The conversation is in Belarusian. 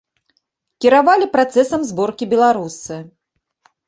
Кіравалі працэсам зборкі беларусы.